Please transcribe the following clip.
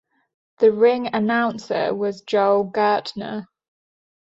The ring announcer was Joel Gertner.